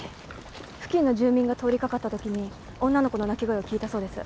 付近の住民が通りかかった時に女の子の泣き声を聞いたそうです。